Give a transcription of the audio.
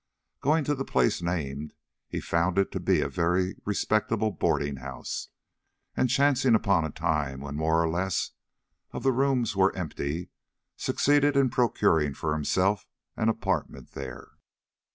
Going to the place named, he found it to be a very respectable boarding house, and, chancing upon a time when more or less of the rooms were empty, succeeded in procuring for himself an apartment there.